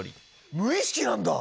無意識なんだ！